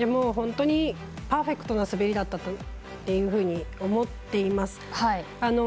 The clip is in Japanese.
本当にパーフェクトな滑りだったというふうに思っています。